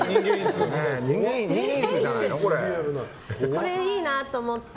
これいいなと思って。